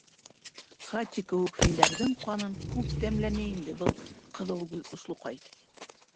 Хати кеүек филдәрҙең ҡанын күп тәмләне инде был ҡыҙылгүҙ ослоҡай.